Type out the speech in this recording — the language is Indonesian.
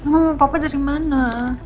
mama papa dari mana